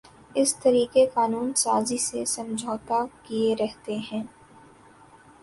اس طریقِ قانون سازی سے سمجھوتاکیے رہتے ہیں